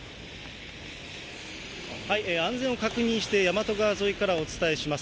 安全を確認して、大和川沿いからお伝えします。